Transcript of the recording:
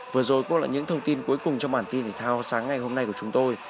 vừa rồi cũng là những thông tin cuối cùng trong bản tin thể thao sáng ngày hôm nay của chúng tôi